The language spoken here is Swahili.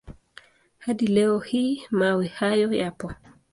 Hadi leo hii mawe hayo yapo.